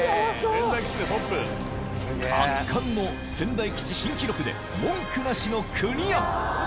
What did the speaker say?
圧巻の仙台基地新記録で文句なしのクリア！